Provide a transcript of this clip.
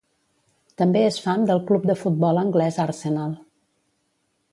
També és fan del club de futbol anglès Arsenal.